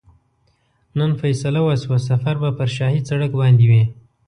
نن فیصله وشوه سفر به پر شاهي سړک باندې وي.